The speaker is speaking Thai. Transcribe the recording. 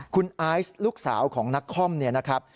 คุณไอซ์ลูกสาวของนักคอมเนี่ยนะครับ